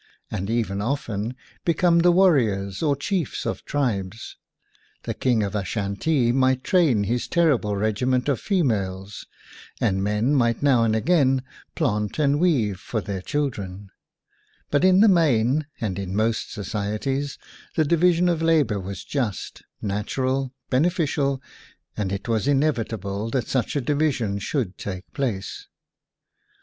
WOMAN AND WAR and even often, become the warriors or chiefs of tribes; the King of Ashantee might train his terrible regiment of fe males; and men might now and again plant and weave for their children : but in the main, and in most societies, the division of labor was just, natural, bene ficial, and it was inevitable that such a division should take place.